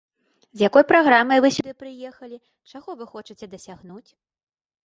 З якой праграмай вы сюды прыехалі, чаго вы хочаце дасягнуць?